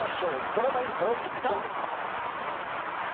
ドラマイントロドン！